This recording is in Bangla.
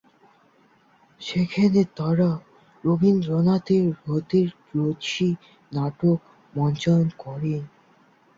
সেখানে তারা রবীন্দ্রনাথের রথের রশি নাটক মঞ্চায়ন করে।